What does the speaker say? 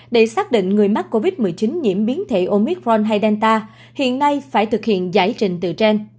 để xác định người mắc covid một mươi chín nhiễm biến thể omicron hay delta hiện nay phải thực hiện giải trình tựa gen